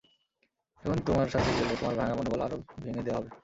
এখন তোমার সাথে গেলে তোমার ভাঙ্গা মনোবল আরো ভেঙ্গ দেওয়া হবে।